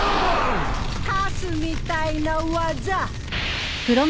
カスみたいな技。